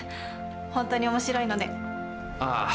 ホントに面白いのでああ